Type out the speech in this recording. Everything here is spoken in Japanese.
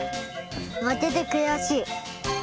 まけてくやしい。